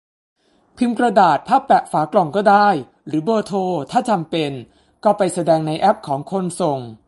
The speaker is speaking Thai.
พิมพ์กระดาษพับแปะฝากล่องก็ได้ หรือเบอร์โทร ถ้าจำเป็น ? ! ก็ไปแสดงในแอปของคนส่ง